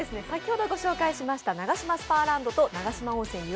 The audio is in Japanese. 先ほどご紹介しましたナガシマスパーランドと長島温泉